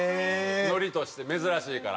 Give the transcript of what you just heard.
ノリとして珍しいから。